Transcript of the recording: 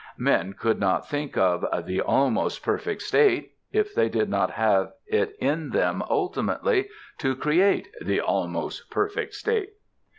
Men could not think of THE ALMOST PERFECT STATE if they did not have it in them ultimately to create THE ALMOST PERFECT STATE.